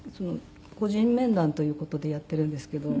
個人面談という事でやっているんですけど。